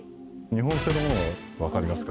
日本製のもの分かりますか？